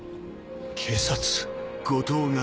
警察？